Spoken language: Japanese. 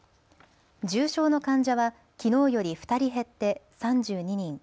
重症の患者はきのうより２人減って３２人。